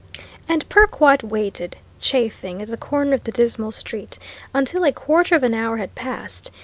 And Perkwite waited, chafing, at the corner of the dismal street, until a quarter of an hour had passed.